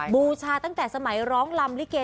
บูชาตั้งแต่สมัยร้องลำลิเก